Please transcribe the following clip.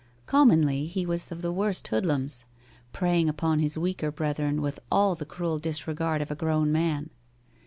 Commonly he was of the worst hoodlums, preying upon his weaker brethren with all the cruel disregard of a grown man.